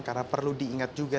karena perlu diingat juga